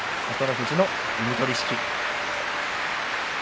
富士の弓取式。